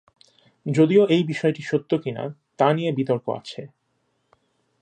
যদিও এই বিষয়টি সত্য কিনা তা নিয়ে বিতর্ক আছে।